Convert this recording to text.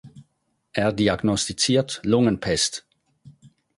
Er diagnostiziert Lungenpest.